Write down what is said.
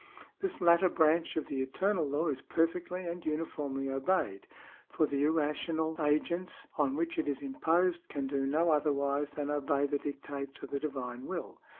^ This latter branch of the eternal law is perfectly and uniformly obeyed ; for the irrational agents on which it is imposed can do no otherwise than obey the dictates of the divine will.